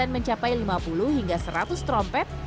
mencapai lima puluh hingga seratus trompet